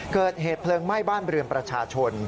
เกิดเหตุเพลิงไหม้บ้านเรือนประชาชน